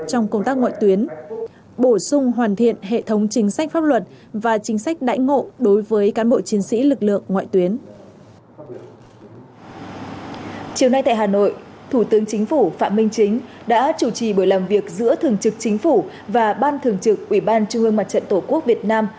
chiều nay tại hà nội thủ tướng chính phủ phạm minh chính đã chủ trì buổi làm việc giữa thường trực chính phủ và ban thường trực ủy ban trung ương mặt trận tổ quốc việt nam